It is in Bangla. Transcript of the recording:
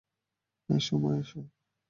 এসো মা, এসো।